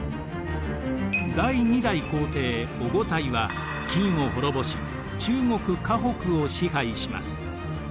第２代皇帝オゴタイは金を滅ぼし中国・華北を支配します。